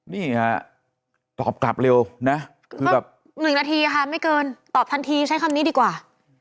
นี่ฮะตอบกลับเร็วนะคือแบบ๑นาทีค่ะไม่เกินตอบทันทีใช้คำนี้ดีกว่า